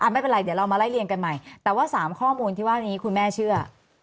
ไม่เป็นไรเดี๋ยวเรามาไล่เรียงกันใหม่แต่ว่า๓ข้อมูลที่ว่านี้คุณแม่เชื่อ